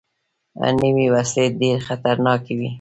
نوې وسلې ډېرې خطرناکې وي